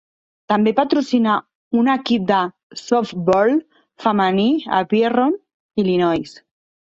També patrocina un equip de softball femení a Pierron, Illinois.